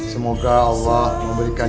semoga allah memberikan